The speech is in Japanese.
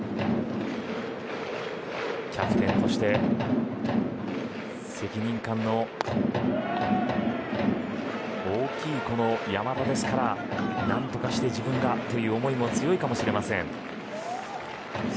キャプテンとして責任感の大きいこの山田ですから何とかして自分が、という思いも強いかもしれません。